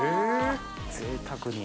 ぜいたくに。